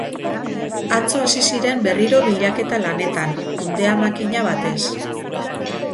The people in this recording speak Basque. Atzo hasi ziren berriro bilaketa lanetan, hondeamakina batez.